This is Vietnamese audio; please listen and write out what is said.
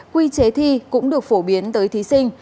quy chế thi cũng được phổ biến tới thí sinh